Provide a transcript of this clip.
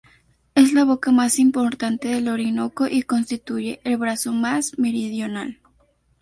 Es la boca más importante del Orinoco y constituye el brazo más meridional.